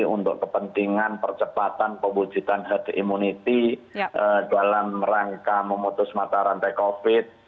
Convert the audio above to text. untuk kepentingan percepatan pembucitan herd immunity dalam rangka memutus mata rantai covid sembilan belas